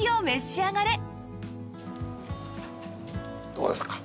どうですか？